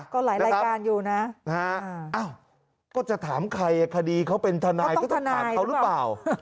ก็หลายรายการอยู่นะก็จะถามใครคดีเขาเป็นทนายก็ต้องถามเขาหรือเปล่า